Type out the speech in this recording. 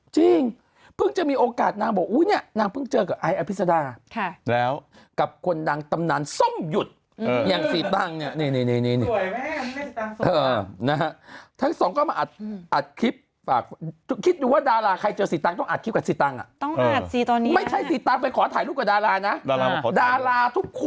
จริงเพิ่งจะมีโอกาสนางบอกนางเพิ่งเจอกับไอพิษฎา